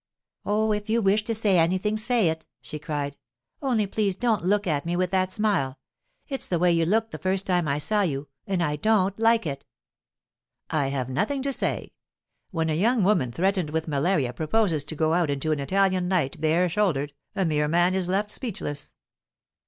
'Oh, if you wish to say anything, say it!' she cried. 'Only please don't look at me with that smile. It's the way you looked the first time I saw you—and I don't like it.' 'I have nothing to say. When a young woman threatened with malaria proposes to go out into an Italian night, bare shouldered, a mere man is left speechless.